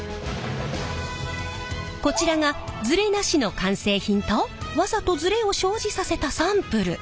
こちらがズレなしの完成品とわざとズレを生じさせたサンプル。